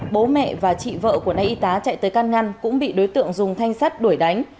bố mẹ và chị vợ của nay y tá chạy tới can ngăn cũng bị đối tượng dùng thanh sắt đuổi đánh